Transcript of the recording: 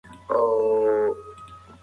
چیخوف د وخت له پولې تېر شوی دی.